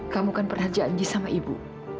kamu kan pernah janji sama ibu